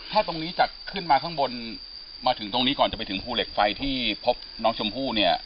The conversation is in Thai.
ถ้าตรงนี้จัดขึ้นมาข้างบนมาถึงตรงนี้ก่อนจะไปถึงภูเหล็กไฟที่พบน้องชมพู่เนี่ย